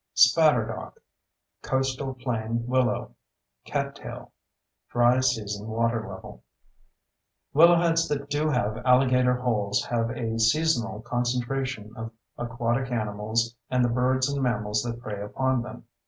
] SPATTERDOCK COASTAL PLAIN WILLOW CATTAIL DRY SEASON WATER LEVEL Willow heads that do have alligator holes have a seasonal concentration of aquatic animals and the birds and mammals that prey upon them.